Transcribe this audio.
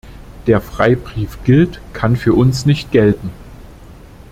Der Freibrief gilt, kann für uns nicht gelten.